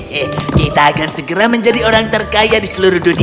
hei kita akan segera menjadi orang terkaya di seluruh dunia